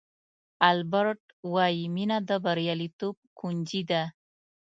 البرټ وایي مینه د بریالیتوب کونجي ده.